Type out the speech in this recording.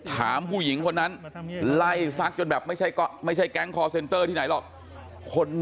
ถามผู้หญิงคนนั้นไล่ซักจนแบบไม่ใช่แก๊งคอร์เซ็นเตอร์ที่ไหนหรอก